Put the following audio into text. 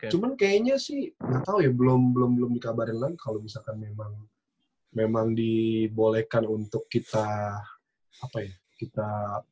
cuman kayaknya sih nggak tahu ya belum belum dikabarin lah kalau misalkan memang dibolehkan untuk kita apa ya kita